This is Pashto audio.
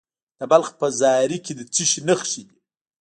د بلخ په زاري کې د څه شي نښې دي؟